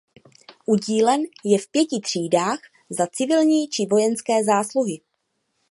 Udílen je v pěti třídách za civilní či vojenské zásluhy.